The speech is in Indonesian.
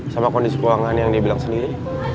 sama kondisi keuangan yang dia bilang sendiri